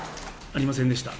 ありませんでした。